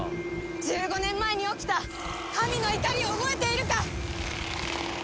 １５年前に起きた神の怒りを覚えているか！？